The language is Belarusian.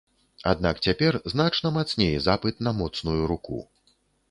Аднак цяпер значна мацней запыт на моцную руку.